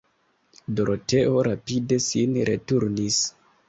Doroteo rapide sin returnis.